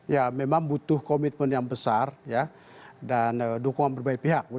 ya memang butuh komitmen yang besar dan dukungan berbagai pihak